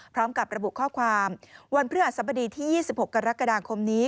พร้อมกับระบุข้อความวันพฤหัสบดีที่๒๖กรกฎาคมนี้